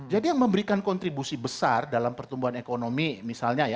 jadi yang memberikan kontribusi besar dalam pertumbuhan ekonomi misalnya ya